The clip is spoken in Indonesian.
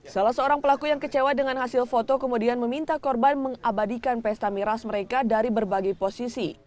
salah seorang pelaku yang kecewa dengan hasil foto kemudian meminta korban mengabadikan pesta miras mereka dari berbagai posisi